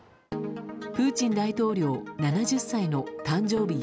プーチン大統領７０歳の誕生日